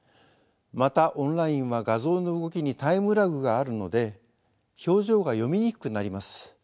またオンラインは画像の動きにタイムラグがあるので表情が読みにくくなります。